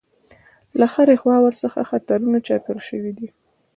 له هرې خوا ورڅخه خطرونه چاپېر شوي دي.